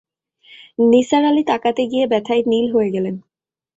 নিসার আলি তাকাতে গিয়ে ব্যথায় নীল হয়ে গেলেন।